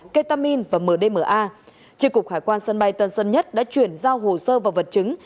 ketamin và mdma tri cục hải quan sân bay tân sơn nhất đã chuyển giao hồ sơ và vật chứng